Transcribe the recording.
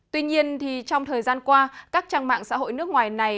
tuy nhiên trong thời gian qua các trang mạng xã hội nước ngoài này